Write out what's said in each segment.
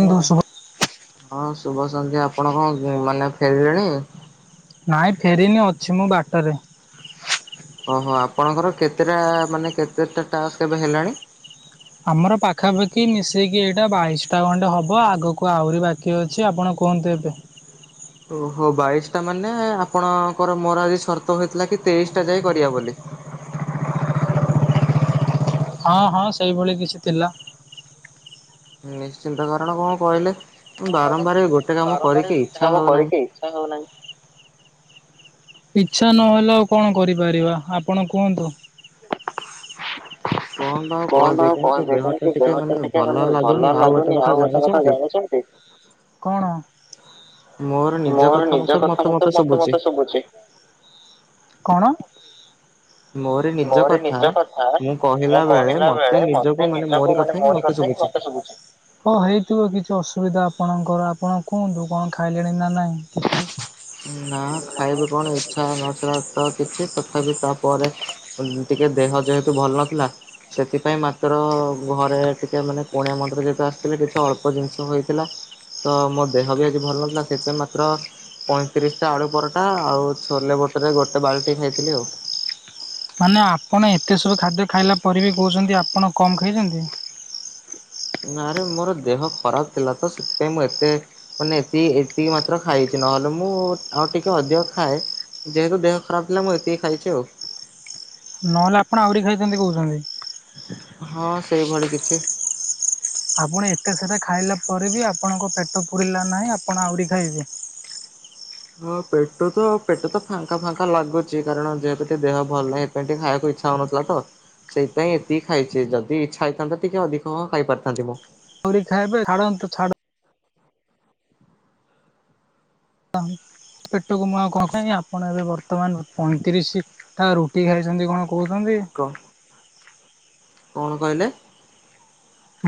ହଁ, ଶୁଭ ହଁ, ଶୁଭ ସନ୍ଧ୍ୟା। ଆପଣ କଣ ମାନେ ଫେରିରେଣି? ନାଇଁ ଫେରିନି, ଅଛି ମୁଁ ବାଟରେ। ଓହୋ ଆପଣଙ୍କର କେତେଟା ମାନେ କେତେଟା ଟାସ୍କ ଏବେ ହେଲାଣି? ଆମର ପାଖାପାଖି ମିଶେଇକି ଏଇଟା ବାଇଶଟା ଖଣ୍ଡେ ହବ। ଆଗକୁ ଆହୁରି ବାକି କି ଅଛି ଆପଣ କୁହନ୍ତୁ ଏବେ। ଓହୋ ବାଇଶଟା ମାନେ ଆପଣଙ୍କର ମୋର ଆଜି ସର୍ତ ହେଇଥିଲା କି ତେଇଶ ଟା ଯାଏ କରିବା ବୋଲି। ହଁ ହଁ ସେଇଭଳି କିଛି ଥିଲା। ନିଶ୍ଚିନ୍ତ କାରଣ କଣ କହିଲେ କଣ କହିଲେ ବାରମ୍ବାର ଗୋଟେ କାମ କରିକି ଇଚ୍ଛା ହଉନାହିଁ। ଛା ହୋଉନାହିଁ। ଇଛା ନହେଲେ ଆଉ କଣ କରିପାରିବା ଆପଣ କୁହନ୍ତୁ? କଣ? ବା କଣ ଆଉ କାହିଁକି କହିବି ଦେହଟା କାହିଁକି ଟିକେ ଦେହ ମାନେ ହାତ ଟିକେ ଭଲ ମାନେ ଲାଗୁନି ଭଲ ଆଉ ଗୋଟେ ଲାଗୁନି। ଆଉ ଗୋଟେ କଥା ଜାଣିଛନ୍ତି? ଜାଣିଛନ୍ତି? କଣ? ମୋର ନିଜ ମୋର କଥା ନିଜ ମତେ କଥା ମତେ ମତେ ମତେ ଶୁଭୁଛି। କଣ। ମୋରି ନିଜ ମୋର କଥା ନିଜ କଥା ମୁଁ ମୁଁ କହିଲା କହିଲା ବେଳେ ମତେ ନିଜକୁ ମାନେ ମୋରି କଥା ହିଁ ମତେ ଶୁଭୁଛି। ହଁ ହେଇଥିବ କିଛି ଅସୁବିଧା ଆପଣଙ୍କର ଆପଣ କୁହନ୍ତୁ କଣ ଖାଇଲେଣି ନା ନାଇଁ? ନା ଖାଇବି କଣ ଇଛା ହୋଉ ନଥିଲା ତ କିଛି ତଥାପି ତାପରେ ଉଁ ଟିକେ ଦେହ ଯେହେତୁ ଭଲ ନଥିଲା ସେଥିପାଇଁ ମାତ୍ର ଘରେ ଟିକେ ମାନେ କୁଣିଆ ମନ୍ତ ଯେହେତୁ ଆସିଥିଲେ କିଛି ଅଳ୍ପ ଜିନିଷ ହେଇଥିଲା। ତ ମୋ ଦେହ ବି ଆଜି ଭଲ ନଥିଲା ସେଥିପାଇଁ ମାତ୍ର ପଇଁତିରିଶଟା ଆଳୁ ପରଟା ଆଉ ଛୋଲେ ବଟୁରେ ଗୋଟେ ବାଲଟି ଖାଇଥିଲି ଆଉ। ମାନେ ଆପଣ ଏତେ ସବୁ ଖାଦ୍ୟ ଖାଇଲା ପରେ ବି କହୁଛନ୍ତି ଆପଣ କମ୍ ଖାଇଛନ୍ତି। ନାରେ ମୋର ଦେହ ଖରାପ ଥିଲା ତ ସେଥିପାଇଁ ମୁଁ ଏତେ ମାନେ ଏତିକି ଏତିକି ମାତ୍ର ଖାଇଛି। ନହେଲେ ମୁଁ ଆଉ ଟିକେ ଅଧିକ ଖାଏ। ଯେହେତୁ ଦେହ ଖରାପ ଥିଲା ମୁଁ ଏତିତି ଖାଇଛି ଆଉ।। ନହେଲେ ଆପଣ ଆହୁରି ଖାଇଥାନ୍ତେ କହୁଛନ୍ତି? ହଁ ସେଇଭଳି କିଛି। ଆପଣ ଏତେ ସାରା ଖାଇଲା ପରେ ବି ଆପଣଙ୍କ ପେଟ ପୁୁରିଲା ନାହିଁ ଆପଣ ଆହୁରି ଖାଇବେ? ହଁ ପେଟ ତ ପେଟ ତ ଫାଙ୍କା ଫାଙ୍କା ଲାଗୁଛି କାରଣ ଯେହେତୁ ଟିକେ ଦେହ ଭଲ ହେଇନି। ସେଥିପାଇଁ ଟିକେ ଖାଇବାକୁ ଇଚ୍ଛା ହଉନଥିଲା ତ। ସେଇଥିପାଇଁ ଏତିକି ଖାଇଛି। ଯଦି ଇଚ୍ଛା ହେଇଥାନ୍ତା ଟିକେ ଅଧିକ ହଁ ଖାଇପାରିଥାନ୍ତି ମୁଁ। ଆହୁରି ଖାଇବେ ଛାଡନ୍ତୁ ଛାଡନ୍ତୁ। ପେଟକୁ ମୁଁ ଆଉ କଣ କହିବି ଆପଣ ଏବେ ବର୍ତ୍ତମାନ ପଇଁତିରିଶ ଟା ରୁଟି ଖାଇଛନ୍ତି କଣ କହୁଛନ୍ତି। [unintelligible] କଣ କହିଲେ?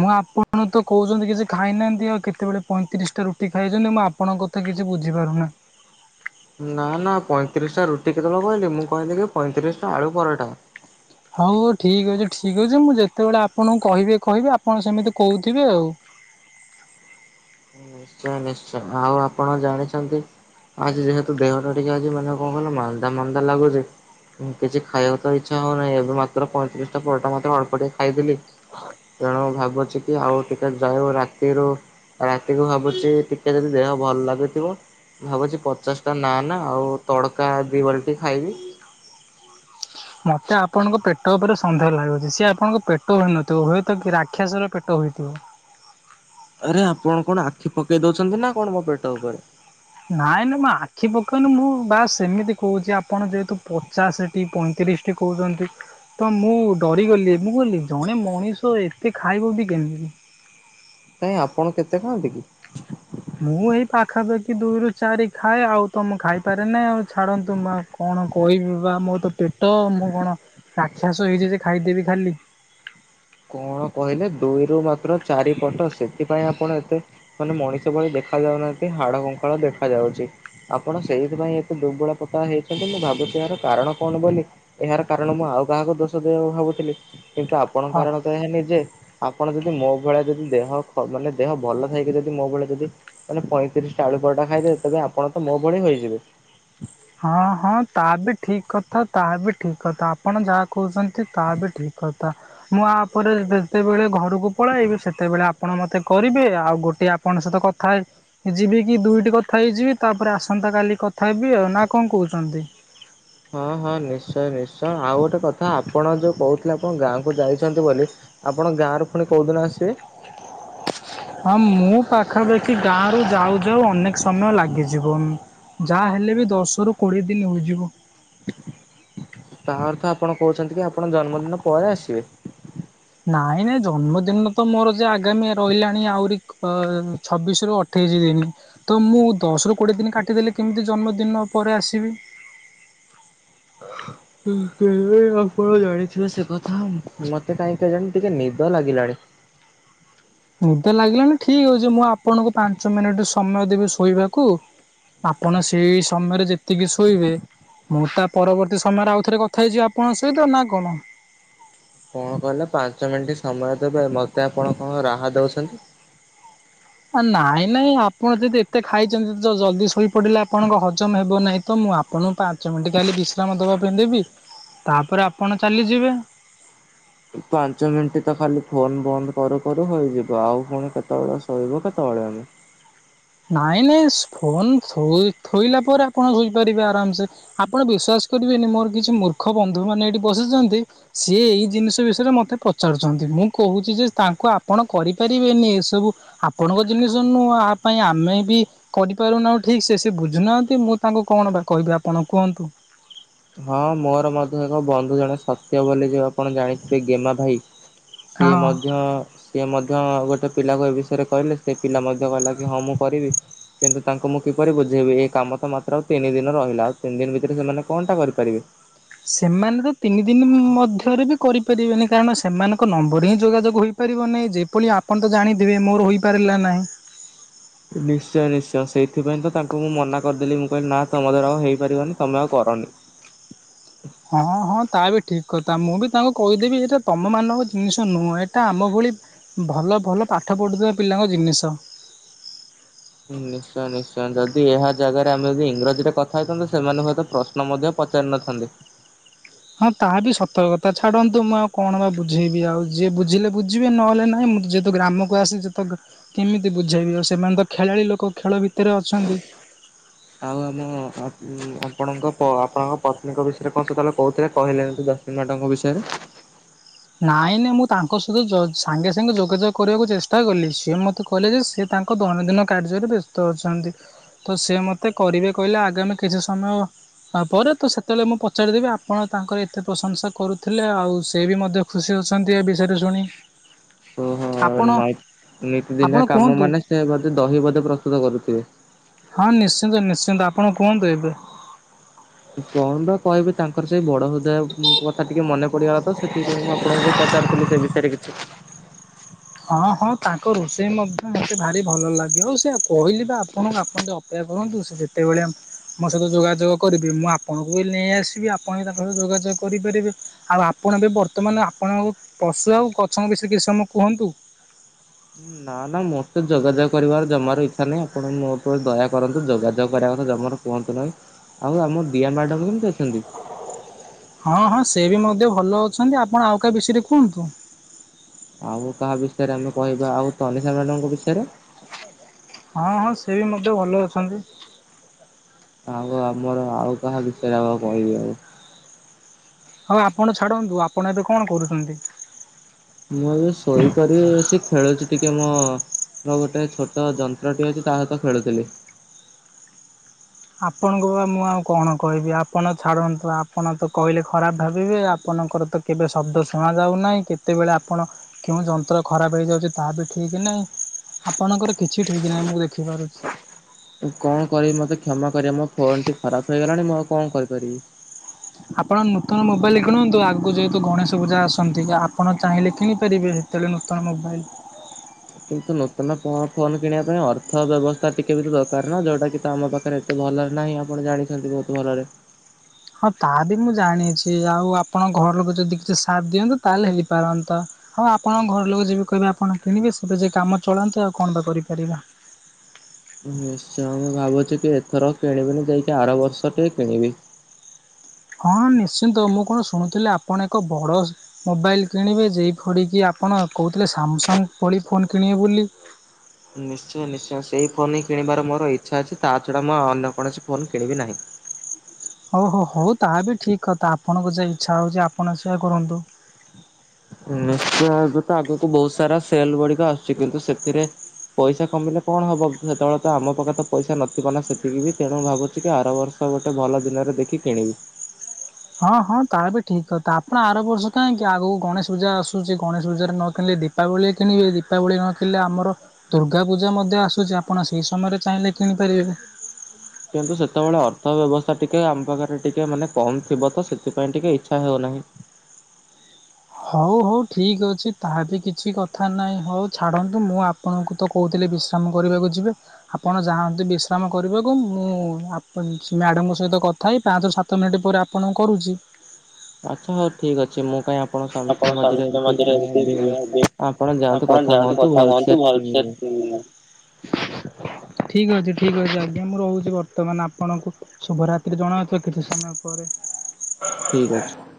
ମୁଁ ଆପଣ ତ କହୁଛନ୍ତି କିଛି ଖାଇନାହାନ୍ତି ଆଉ କେତେବେଳେ ପଇଁତିରିଶ ଟା ରୁଟି ଖାଇଛନ୍ତି ମୁଁ ଆପ ଆପଣଙ୍କ କଥା କିଛି ବୁଝିପାରୁନାହିଁ। ନା ନା ପଇଁତିରିଶ ଟା ରୁଟି କେତେବେଳେ କହିଲି ମୁଁ କହିଲି କି ପଇଁତିରିଶଟା ଆଳୁ ପରଟା। ହଉ ହଉ ଠିକ୍ ଅଛି ଠିକ୍ ଅଛି ମୁଁ ଯେତେବେଳେ ଆପଣଙ୍କୁ କହିବେ କହିବି ଆପଣ ସେମିତି କହୁଥିବେ ଆଉ। ନିଶ୍ଚୟ ନିଶ୍ଚୟ ଆଉ ଆପଣ ଜାଣିଛନ୍ତି ଆଜି ଯେହେତୁ ଦେହଟା ଟିକେ ଆଜି ମାନେ କଣ କହିଲ ମାନ୍ଦା ମାନ୍ଦା ଲାଗୁଛି। କିଛି ଖାଇବାକୁ ତ ଇଚ୍ଛା ହଉନାହିଁ ଏବେ ମାତ୍ର ପଇଁତିରିଶଟା ପରଟା ମଧ୍ୟ ଅଳ୍ପଟିକେ ଖାଇଦେଲି। ତେଣୁ ଭାବୁଛିକି ଆଉ ଟିକେ ଯାଉ ରାତିରୁ ଉ ରାତିକୁ ଭାବୁଛି ଟିକେ ଯଦି ଦେହ ଭଲ ଲାଗୁଥିବ ଭାବୁଛି ପଚାଶଟା ନାନ୍ ଆଉ ତଡ଼କା ଦୁଇ ବାଲଟି ଖାଇବି। ମତେ ଆପଣଙ୍କ ପେଟ ଉପରେ ସନ୍ଦେହ ଲାଗୁଛି। ସିଏ ଆପଣଙ୍କ ପେଟ ହୋଇନଥିବ ହୁଏତ କି ରାକ୍ଷସର ପେଟ ହୋଇଥିବ। ଆରେ ଆପଣ କଣ ଆଖି ପକେଇ ଦଉଛନ୍ତି ନା କଣ ମୋ ପେଟ ଉପରେ? ନାଇଁ ନା ମୁଁ ଆଖି ପକେଇନି ମୁଁ ବା ସେମିତି କହୁଛି ଆପଣ ଯେହେତୁ ପଚାଶ ଟି ପଇଁତିରିଶ ଟି କହୁଛନ୍ତି। ତ ମୁଁ ଡରିଗଲି ମୁଁ କହିଲି ଜଣେ ମଣିଷ ଏତେ ଖାଇବ ବି କେମିତିି? କାଇଁ ଆପଣ କେତେ ଖାଆନ୍ତି କି? ମୁଁ ଏଇ ପାଖାପାଖି ଦୁଇରୁ ଚାରି ଖାଏ ଆଉ ତ ମୁଁ ଖାଇପାରେ ନାହିଁ ଆଉ, ଛାଡ଼ନ୍ତୁ ମୁଁ ଆଉ କଣ କହିବି ବା ମୋ ତ ପେଟ ମୁଁ କଣ ରାକ୍ଷସ ହେଇଚି ଯେ ଖାଇଦେବି ଖାଲି। କଣ କହିଲେ ଦୁଇରୁ ମାତ୍ର ଚାରିପଟ, ସେଥିପାଇଁ ଆପଣ ଏତେ ମାନେ ମଣିଷ ଭଳି ଦେଖାଯାଉନାହାନ୍ତି, ହାଡ କଙ୍କାଳ ଦେଖାଯାଉଚି। ଆପଣ ସେଇଥିପାଇଁ ଏତେ ଦୁର୍ବଳ ପତଳା ହେଇଚନ୍ତି, ମୁଁ ଭାବୁଚି ଏହାର କାରଣ କଣ ବୋଲି। ଏହାର କାରଣ ମୁଁ ଆଉ କାହାକୁ ଦୋଷ ଦେବାକୁ ଭାବୁଥିଲି, କିନ୍ତୁ ଆପଣ ହଁ। କାରଣ [unintelligible] ନିଜେ, ଆପଣ ଯଦି ମୋ ଭଳିଆ ଯଦି ଦେହ ଖ ମାନେ ଦେହ ଭଲ ଥାଇକି ଯଦି ମୋ ଭଳିଆ ଯଦି ମାନେ ପଇଁତିରିଶଟା ଆଳୁ ପରଟା ଖାଇଦେବେ, ତେବେ ଆପଣ ତ ମୋ ଭଳି ହୋଇଯିବେ। ହଁ-ହଁ ତା ବି ଠିକ୍ କଥା ତାହା ବି ଠିକ୍ କଥା, ଆପଣ ଯାହା କହୁଚନ୍ତି ତାହା ବି ଠିକ୍ କଥା। ମୁଁ ଆ ପରେ ଯେତେବେଳେ ଘରକୁ ପଳାଇବି, ସେତେବେଳେ ଆପଣ ମତେ କରିବେ ଆଉ ଗୋଟେ ଆ କଣ ସହିତ କଥା ହେଇଯିବି କି ଦୁଇଟି କଥା ହେଇଯିବି, ତାପରେ ଆସନ୍ତାକଲି କଥା ହେବି ଆଉ ନା କଣ କହୁଚନ୍ତି? ହଁ-ହଁ ନିଶ୍ଚୟ-ନିଶ୍ଚୟ ଆଉ ଗୋଟେ କଥା ଆପଣ ଯୋଉ କହୁଥିଲେ ଆପଣ ଗାଁକୁ ଯାଇଛନ୍ତି ବୋଲି ଆପଣ ଗାଁ ରୁ ଫୁଣି କୋଉଦିନ ଆସିବେ? ହଁ ମୁଁ ପାଖାପାଖି ଗାଁରୁ ଯାଉ-ଯାଉ ଅନେକ୍ ସମୟ ଲାଗିଯିବ। ଯା ହେଲେ ବି ଦଶରୁ କୋଡ଼ିଏ ଦିନ୍ ହୋଇଯିବ। ତା ଅର୍ଥ ଆପଣ କହୁଛନ୍ତି କି ଆପଣ ଜନ୍ମଦିନ ପରେ ଆସିବେ? ନାଇଁ-ନାଇଁ ଜନ୍ମଦିନ ତ ମୋର ଯେ ଆଗାମୀ ରହିଲାଣି ଆହୁରି କ ଛବିଶ୍ ରୁ ଅ ଠେଇସି ଦିନ୍, ତ ମୁଁ ଦଶ ରୁ କୋଡିଏ ଦିନି କାଟିଦେଲେ କେମିତି ଜନ୍ମଦିନ ପରେ ଆସିବି? [unintelligible] କେଜାଣି ଆପଣ ଜାଣିଥିବେ ସେକଥା, ମତେ କାହିଁକି କେଜାଣି ଟିକେ ନିଦ ଲାଗିଲାଣି। ନିଦ ଲାଗିଲାଣିି ଠିକ୍ ହଉଚି ମୁଁ ଆପଣଙ୍କୁ ପାଞ୍ଚ ମିନିଟ୍ ସମୟ ଦେବି ଶୋଇବାକୁ। ଆପଣ ସେଇ ସମୟରେ ଯେତିକି ଶୋଇବେ ମୁଁ ତା ପରବର୍ତ୍ତୀ ସମୟରେ ଆଉଥରେ କଥା ହେଇଯିବି ଆପଣଙ୍କ ସହିତ ନା କଣ? କଣ କହିଲେ ପାଞ୍ଚ ମିଣ୍ଟି ସମୟ ଦେବେ, ମତେ ଆପଣ କଣ ରାହା ଦଉଛନ୍ତି? ଆ ନାଇଁ-ନାଇଁ ଆପଣ ଯଦି ଏତେ ଖାଇଚନ୍ତି ଜଲ୍ଦୀ ଶୋଇପଡିଲେ ଆପଣଙ୍କ ହଜମ୍ ହେବ ନାହିଁ, ତ ମୁଁ ଆ ପଣଙ୍କୁ ପାଞ୍ଚ ମିନିଟ୍ [unintelligible] ବିଶ୍ରାମ ଦବା ପାଇଁ ଦେବି, ତାପରେ ଆପଣ ଚାଲିଯିବେ। ପାଞ୍ଚ ମିଣ୍ଟି ତ ଖାଲି ଫୋନ୍ ବନ୍ଦ କରୁ-କରୁ ହୋଇଯିବ, ଆଉ ଫୁଣି କେତେବେଳେ ଶୋଇବ କେତବଳେ ଆମେ। ନାଇଁ-ନାଇଁ ସ୍ ଫୋନ୍ ଥୋଇ ଥୋଇଲା ପରେ ଆପଣ ଶୋଇପାରିବେ ଆରାମସେ। ଆପଣ ବିଶ୍ଵାସ କରିବେନି ମୋର କିଛି ମୂର୍ଖ ବନ୍ଧୁ ମାନେ ଏଠି ବସିଚନ୍ତି ସିଏ ଏଇ ଜିନିଷ ବିଷୟରେ ମତେ ପଚାରୁଚନ୍ତି, ମୁଁ କହୁଚି ଯେ ତାଙ୍କୁ ଆପଣ କରିପାରିବେନି ଏସବୁ ଆପଣଙ୍କ ଜିନିଷ ନୁହଁ, ଆପ୍ ପାଇଁ ଆମେ ବି କରିପାରୁନାହୁଁ ଠିକ୍ ସେ, ସେ ବୁଝୁନାହାନ୍ତି ମୁଁ ତାଙ୍କୁ କଣ ବା କହିବି ଆପଣ କୁହନ୍ତୁ। ହଁ ମୋର ମଧ୍ୟ ଏକ ବନ୍ଧୁ ଜଣେ ସତ୍ୟ ବୋଲି ଯେ ଅ ଆପଣ ଜାଣିଥିବେ ଗେମା ଭାଇ, ସିଏ ହଁ। ମଧ୍ୟ ସ୍ ସିଏ ମଧ୍ୟ ଗୋଟେ ପିଲାକୁ ଏ ବିଷୟରେ କହିଲେ ସେ ପିଲା ମଧ୍ୟ କହିଲା କି ହଁ ମୁଁ କରିବି କିନ୍ତୁ ତାଙ୍କୁ ମୁଁ କିପରି ବୁଝେଇବି ଏ କାମ ତ ମାତ୍ର ଆଉ ତିନି ଦିନ ରହିଲା, ଆଉ ତିନି ଦିନ୍ ଭିତରେ ସେମାନେ କଣଟା କରିପାରିବେ? ସେମାନେ ତ ତିନି ଦିନ୍ ମଧ୍ୟରେ ବି କରିପାରିବେନି, କାରଣ ସେମାନଙ୍କ ନମ୍ବର ହିଁ ଯୋଗାଯୋଗ ହୋଇ ପାରିବ ନାଇଁ [unintelligible] ଆପଣ ତ ଜାଣିଥିବେ ମୋର ହୋଇପାରିଲା ନାହିଁ। ନିଶ୍ଚୟ-ନିଶ୍ଚୟ ସେଇଥିପାଇଁ ତ ତାଙ୍କୁ ମୁଁ ମନା କରିଦେଲି ମୁଁ କଇଲି ନା ତମ ଦ୍ଵାରା ଆଉ ହେଇପାରିବନି ତମେ ଆଉ କରନି। ହଁ-ହଁ ତା ବି ଠିକ୍ କଥା ମୁଁ ବି ତାଙ୍କୁ କହିଦେବି ଏଇଟା ତମମାନଙ୍କ ଜିନିଷ ନୁହଁ, ଏଇଟା ଆମ ଭଳି ଭଲ-ଭଲ ପାଠ ପଢ଼ୁଥିବା ପିଲାଙ୍କ ଜିନିଷ। ନିଶ୍ଚୟ-ନିଶ୍ଚୟ ଯଦି ଏହା ଜାଗାରେ ଆମେ ଯଦି ଇଂରାଜୀରେ କଥା ହେଇଥାନ୍ତେ ସେମାନେ ବୋଧେ ପ୍ରଶ୍ ଶ୍ନ ମଧ୍ୟ ପଚାରିିନଥାନ୍ତେ। ହଁ ତାହା ବି ସତ କଥା ଛାଡ଼ନ୍ତୁ ମୁଁ ଆଉ କଣ ବା ବୁଝେଇବି ଆଉ, ଯିଏ ବୁଝିଲେ ବୁଝିବେ ନହଲେ ନାଇଁ ମୁଁ ଯଦ୍ ତ ଗ୍ରାମକୁ ଆସିଚି ତ କେମିତି ବୁଝାଇବି, ଆଉ ସେମାନେ ତ ଖେଳାଳି ଲୋକ ଖେଳ ଭିତେରେ ଅଛନ୍ତି। ଆଉ ଆମ ଆପଣ ଆପଣଙ୍କ ପ ଆପଣଙ୍କ ପତ୍ନୀଙ୍କ ବିଷୟରେ କଣ ସେତଳେ କହୁଥିଲେ କହିଲେନି [unintelligible] କି ମ୍ୟାଡ଼ମଙ୍କ ବିଷୟରେ ନାଇଁ ନାଇଁ ମୁଁ ତାଙ୍କ ସହିତ ଯ ସାଙ୍ଗେ ସାଙ୍ଗେ ଯୋଗାଯୋଗ କରିବାକୁ ଚେଷ୍ଟା କଲି ସିଏ ମତେ କହିଲେ ଯେ ସିଏ ତାଙ୍କ ଦୈନନ୍ଦିନ କାର୍ଯ୍ୟରେ ବ୍ୟସ୍ତ ଅଛନ୍ତି। ତ ସିଏ ମତେ କରିବେ କହିଲେ ଆଗାମି କିଛି ସମୟ ତା ପରେ ତ ସେତେବେଳେ ମୁଁ ପଚାରିଦେବି ଆପଣ ତାଙ୍କର ଏତେ ପ୍ରଶଂସା କରୁଥିଲେ ଆଉ ସେ ବି ମଧ୍ୟ ଖୁସି ଅଛନ୍ତି ଏ ବିଷୟରେ ଶୁଣି। ଓହୋ ଆପଣ ନାଇଁ ଆପଣ ନିତିଦିନିଆ କାମ କୁହନ୍ତୁ ମାନେ ସେ ବୋଧେ ଦହି ବୋଧେ ପ୍ରସ୍ତୁତ କରୁଥିବେ। ହଁ ନିଶ୍ଚିନ୍ତ ନିଶ୍ଚିନ୍ତ ଆପଣ କୁହନ୍ତୁ ଏବେ। କଣ ବା କହିବି ତାଙ୍କର ସେଇ ବଡ ହୃଦୟ ଉଁ କଥା ଟିକେ ମନେ ପଡିଗଲା ତ ସେଥିପାଇଁ ମୁଁ ଆପ ପଣଙ୍କୁ ପଚାରୁଥିଲି ସେ ବିଷୟରେ କିଛି। ହଁ ହଁ ତାଙ୍କ ରୋଷେଇ ମଧ୍ୟ ମତେ ଭାରି ଭଲ ଲାଗେ ଆଉ ସେଆ କହିଲି ବା ଆପଣ ଆପଣ ଟିକେ ଅପ ପେକ୍ଷା କରନ୍ତୁ ସିଏ ଯେତେବେଳେ ଆମ ମୋ ସହିତ ଯୋଗାଯୋଗ କରିବି ମୁଁ ଆପଣଙ୍କୁ ବି ନେଇ ଆସିବି ଆପଣ ବି ତାଙ୍କ ସହ ଯୋଗାଯୋଗ କରିପାରିବେ। ଆଉ ଆପଣ ଏବେ ବର୍ତ୍ତମାନ ଆପଣଙ୍କୁ ପଶୁ ଆଉ ଗଛଙ୍କ ବିଷୟରେ କିଛି ସମୟ କୁହନ୍ତୁ? ନା ନା ମତେ ଯୋଗାଯୋଗ କରିବାର ଜମାର ଇଚ୍ଛା ନାହିଁ ଆପଣ ମୋ ଉପରେ ଦୟା କରନ୍ତୁ ଯୋଗାଯୋଗ କରିବା କଥା ଜମାରୁ କୁହନ୍ତୁ ନାହିଁ ଆଉ ଆମ ଦିଆ ମ୍ୟାଡ଼ମ୍ କେମିତି ଅଛନ୍ତି? ହଁ ହଁ ସେ ବି ମଧ୍ୟ ଭଲ ଅଛନ୍ତି ଆପଣ ଆଉ କା ବିଷୟରେ କୁହନ୍ତୁ। ଆଉ କାହା ବିଷୟରେ ଆମେ କହିବା ଆଉ ତନିଷା ମ୍ୟାଡ଼ମଙ୍କ ବିଷୟରେ। ହଁ ହଁ ସେ ବି ମଧ୍ୟ ଭଲ ଅଛନ୍ତି। ଆଉ ଆମର ଆଉ କାହା ବିଷୟରେ ଆଉ‌ ଆଉ କହିବି ଆଉ? ହଉ ଆପଣ ଛାଡ଼ନ୍ତୁ ଆପଣ ଏବେ କଣ କରୁଚନ୍ତି? ମୁଁ ଏବେ ଶୋଇ କରି ସିଏ ଖେଳୁଛି ଟିକେ ମୁଁ ମୁଁ ଗୋଟେ ଛୋଟ ଯନ୍ତ୍ରଟି ଅଛି ତା ସହିତ ଖେଳୁଥିଲି। ଆପଣଙ୍କୁ ବା ଆଉ ମୁଁ ଆଉ କଣ କହିବି ଆପଣ ଛାଡ଼ନ୍ତୁ, ଆପଣ ତ କହିଲେ ଖରାପ ଭାବିବେ ଆପଣଙ୍କର ତ କେବେ ଶବ୍ଦ ଶୁଣ ଯାଉ ନାହିଁ, କେତେବେଳେ ଆପଣ କେଉଁ ଯନ୍ତ୍ର ଖରାପ ହେଇଯାଉଛି ତାହା ବି ଠିକ୍ ନାହିଁ। ଆପଣଙ୍କର କିଛି ଠିକ ନାହିଁ ମୁଁ ଦେଖିପାରୁ କଣ କରିବି ମତେ କ୍ଷମା କରିବେ ମୋ ଫୋନ ଟି ଖରାପ ହେଇଗଲାଣି ମୁଁ ଆଉ କଣ କରିପାରିବି? ଆପଣ ନୂତନ ମୋବାଇଲ କିଣନ୍ତୁ। ଆଗକୁ ଯେହେତୁ ଗଣେଶ ପୂଜା ଆସନ୍ତି କି ଆପଣ ଚାହିଁଲେ କିଣିପାରିବେ। ତେଣୁ ନୂତନ ମୋବାଇଲ କିନ୍ତୁ ନୂତନ ଫୋ ଫୋନ କିଣିବା ପାଇଁ ଅର୍ଥ ବ୍ୟବସ୍ଥା ଟିକେ ବି ତ ଦରକାର ନା, ଯୋଉଟା କି ତ ଆମ ପାଖରେ ଏତେ ଭଲରେ ନାହିଁ ଆପଣ ଜାଣିଛନ୍ତି ବହୁତ ଭଲରେ। ହଁ ତା ବି ମୁଁ ଜାଣିଛି ଆଉ ଆପଣଙ୍କ ଘର ଲୋକ ଯଦି କିଛି ସାଥ ଦିଅନ୍ତେ ତାହେଲେ ହେଇପାରନ୍ତା। ହଉ ଆପଣଙ୍କ ଘର ଲୋକ ଯେବେ କହିବେ ଆପଣ କିଣିବେ ସେତ ଯାଏ କାମ ଚଳାନ୍ତୁ ଆଉ କଣ ବା କରିପାରିବା। ନିଶ୍ଚୟ ମୁଁ ଭାବୁଛି କି ଏଥର କିଣିବିନି, ଯାଇକି ଆର ବର୍ଷ ଟି କିଣିବି। ହଁ ନିଶ୍ଚିନ୍ତ ମୁଁ କଣ ଶୁଣୁଥିଲି ଆପଣ ଏକ ବଡ଼ ମୋବାଇଲ୍ କିଣିବେ ଯେଇ ଫଡିକି ଆପଣ କହୁଥିଲେ, ସାମସଙ୍ଗ ଭଳି ଫୋନ୍ କିଣିବେ ବୋଲି। ନିଶ୍ଚୟ ନିଶ୍ଚୟ ସେଇ ଫୋନ ହିଁ କିଣିବାର ମୋର ଇଚ୍ଛା ଅଛି। ତା ଛଡ଼ା ମୁଁ ଆଉ ଅନ୍ୟ କୌଣସି ଫୋନ୍ କିଣିବି ନାହିଁ। ହଉ ହଉ ହଉ ତାହା ବି ଠିକ୍ କଥା ଆପଣଙ୍କୁ ଯେ ଇଚ୍ଛା ହଉଛି ଆପଣ ସେଇଆ କରନ୍ତୁ। ନିଶ୍ଚୟ ଏବେ ତ ଆଗକୁ ବହୁତ ସାରା ସେଲ ଗୁଡିକ ଆସୁଛି କିନ୍ତୁ ସେଥିରେ ପଇସା କମିଲେ କଣ ହବ ସେତେବେଳେ ତ ଆମ ପାଖେ ତ ପଇସା ନଥିବ ନା ସେତିକି ବି, ତେଣୁ ଭାବୁଛି କି ଆର ବର୍ଷ ତ ଗୋଟେ ଭଲ ଦିନରେ ଦେଖି କିଣିବି। ହଁ ହଁ ତା ବି ଠିକ୍ କଥା, ଆପଣ ଆର ବର୍ଷ କାହିଁକି ଆଗକୁ ଗଣେଶ ପୂଜା ଆସୁଛି ଗଣେଶ ପୂଜାରେ ନ କିଣିଲେ ଦି ଦୀପାବଳି ରେ କିଣିବେ ଦୀପାବଳି ନ କିଣିଲେ ଆମର ଦୁର୍ଗା ପୂଜା ମଧ୍ୟ ଆସୁଛି ଆପଣ ସେଇ ସମୟରେ ଚାହିଁଲେ କିଣିପାରିବେ। କିନ୍ତୁ ସେତେବେଳେ ଅର୍ଥ ବ୍ୟବସ୍ଥା ଟିକେ ଆମ ପାଖରେ ଟିକେ ମାନେ କମ୍ ଥିବ ତ, ସେଥିପାଇଁ ଟିକେ ଇଚ୍ଛା ହେଉନାହିଁ। ହଉ ହଉ ଠିକ ଅଛି ତାହା ବି କିଛି କଥା ନାହିଁ। ହଉ ଛାଡନ୍ତୁ ମୁଁ ଆପ ପଣଙ୍କୁ ତ କହୁଥିଲି ବିଶ୍ରାମ କରିବାକୁ ଯିବେ ଆପଣ ଯାଆନ୍ତୁ ବିଶ୍ରାମ କରିବାକୁ, ମୁଁ ଆପ ମ୍ୟାଡମଙ୍କ ସହିତ କ ଥା ହେଇ ପାଞ୍ଚରୁ ସାତ ମିନିଟ୍ ପରେ ଆପଣଙ୍କୁ କରୁଛି। ଆଚ୍ଛା ହଉ ଠିକ୍ ଅଛି ମୁଁ କାଇଁ ଆ ଆପଣ ସମସ୍ତଙ୍କ ମଝିରେ ଏମିତି ଏମିତି ଆପଣ ଯାଆନ୍ତୁ ଆପଣ ଯାଆନ୍ତୁ ହୁଅନ୍ତୁ କଥା କୁହନ୍ତୁ ଭଲସେ କି ଠିକ ଅଛି ଠିକ ଅଛି ଆଜ୍ଞା ମୁଁ ରହୁଛି। ବର୍ତ୍ତମାନ ଆପଣଙ୍କୁ ଶୁଭ ରାତ୍ରି ଜଣା ଅଥିବ କିଛି ସମୟ ପରେ। ଠିକ ଅଛି।